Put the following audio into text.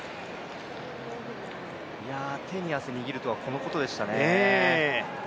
手に汗握るとはこのことでしたね。